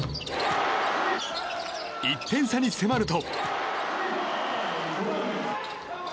１点差に迫ると。